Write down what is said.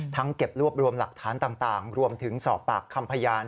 เก็บรวบรวมหลักฐานต่างรวมถึงสอบปากคำพยาน